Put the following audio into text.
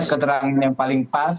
keterangan yang paling pas